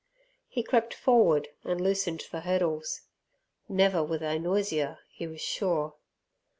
He crept forward and loosened the hurdles. Never were they noisier, he was sure.